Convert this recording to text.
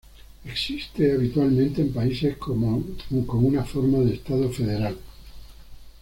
Existe habitualmente en países con una forma de estado federal.